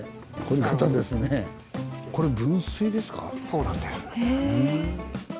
そうなんです。